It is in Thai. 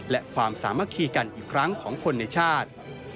และความสามัคคีกันอีกครั้งของคนในชาติ